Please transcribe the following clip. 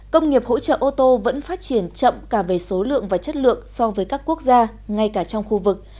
công nghiệp hỗ trợ ô tô vẫn phát triển chậm cả về số lượng và chất lượng so với các quốc gia ngay cả trong khu vực